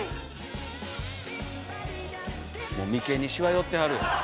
もう眉間にシワ寄ってはるよ。